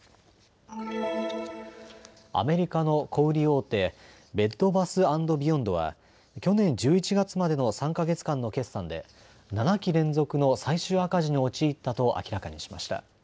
アメリカの小売り大手、ベッド・バス・アンド・ビヨンドは去年１１月までの３か月間の決算で７期連続の最終赤字に陥ったと明らかにしました。